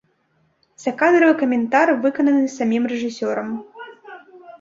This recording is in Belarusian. Закадравы каментар выкананы самім рэжысёрам.